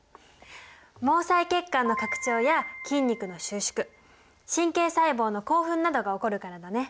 毛細血管の拡張や筋肉の収縮神経細胞の興奮などが起こるからだね。